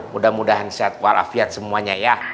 mudah mudahan sehat khawar afiat semuanya ya